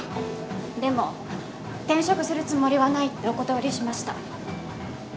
でも転職するつもりはないってお断りしました。